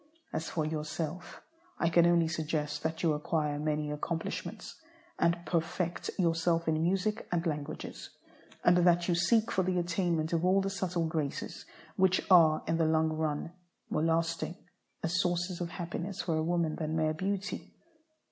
As for yourself, I can only suggest that you acquire many accomplishments, and perfect yourself in music and languages, and that you seek for the attainment of all the subtle graces, which are, in the long run, more lasting as sources of happiness for a woman than mere beauty.